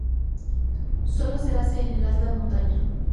Sólo se hacen en el alta montaña.